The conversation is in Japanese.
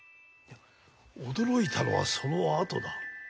驚いたのはそのあとだ。